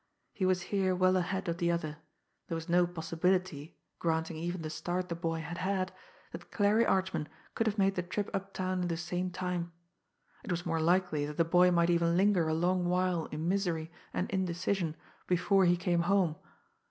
He was here well ahead of the other, there was no possibility, granting even the start the boy had had, that Clarie Archman could have made the trip uptown in the same time. It was more likely that the boy might even linger a long while in misery and indecision before he came home.